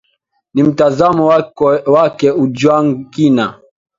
ni mtazamo wake ojwang kina